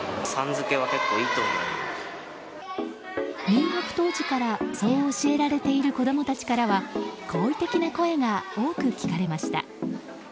入学当時からそう教えられている子供たちからは好意的な声が多く聞かれました。